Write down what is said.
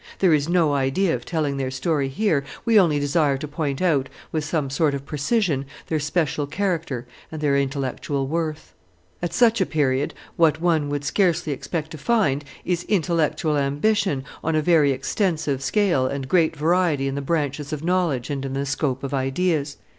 There is no idea of telling their history here; we only desire to point out, with some sort of precision, their special character and their intellectual worth. At such a period, what one would scarcely expect to find is intellectual ambition on a very extensive scale and great variety in the branches of knowledge and in the scope of ideas.